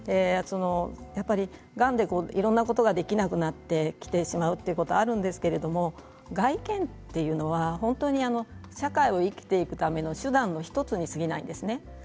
やっぱり、がんでいろんなことができなくなってきてしまうということはあるんですけれども外見というのは本当に社会を生きていくための手段の１つに過ぎないんですね。